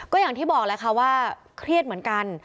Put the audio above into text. ก็อย่างที่บอกแหละค่ะว่าเครียดเหมือนกัน